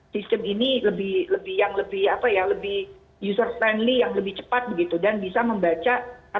sistem ini yang lebih user friendly yang lebih cepat dan bisa membaca